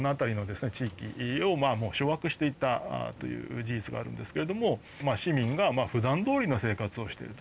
地域をもう掌握していったという事実があるんですけれども市民がふだんどおりの生活をしてる。